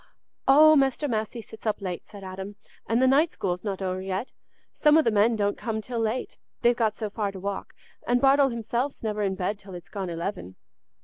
"Oh, Mester Massey sits up late," said Adam. "An' the night school's not over yet. Some o' the men don't come till late—they've got so far to walk. And Bartle himself's never in bed till it's gone eleven."